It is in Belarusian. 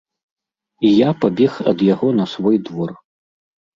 І я пабег ад яго на свой двор.